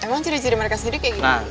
emang ciri ciri mereka sendiri kayak gini